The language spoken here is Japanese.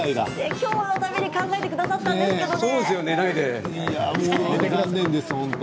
きょうのために考えてくださったんですよね。